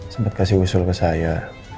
sempat kasih usul ke saya